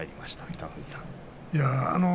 北の富士さん。